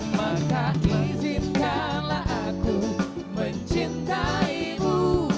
maka izinkan aku mencintaimu